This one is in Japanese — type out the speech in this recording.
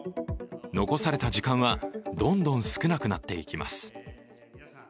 残された時間は、どんどん少なくなっていきます。